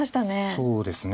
そうですね。